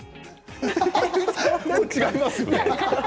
違いますよね。